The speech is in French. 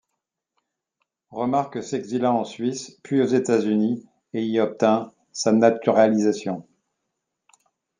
Remarque s'exila en Suisse puis aux États-Unis et y obtint sa naturalisation.